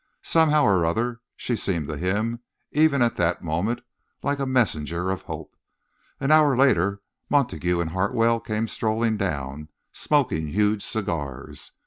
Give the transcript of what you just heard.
Somehow or other, she seemed to him, even at that moment, like a messenger of hope. An hour later, Montague and Hartwell came strolling down, smoking huge cigars.